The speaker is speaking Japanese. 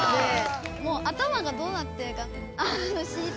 もう頭がどうなってるか知りたい。